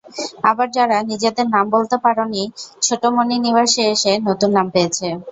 আবার যারা নিজেদের নাম বলতে পারেনি, ছোটমণি নিবাসে এসে নতুন নাম পেয়েছে।